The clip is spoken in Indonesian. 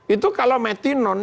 itu kalau metinone